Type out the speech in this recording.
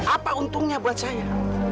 apa untungnya buat saya